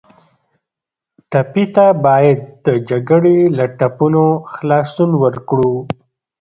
ټپي ته باید د جګړې له ټپونو خلاصون ورکړو.